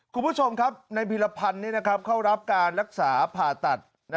คุณผู้ชมครับในพีรพันธ์เข้ารับการรักษาผ่าตัด